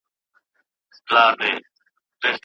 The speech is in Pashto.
ابليس وواهه پر مخ باندي په زوره